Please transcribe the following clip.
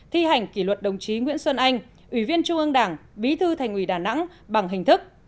thi hành kỷ luật đồng chí nguyễn xuân anh ủy viên trung ương đảng bí thư thành ủy đà nẵng bằng hình thức